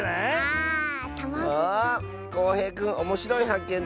こうへいくんおもしろいはっけん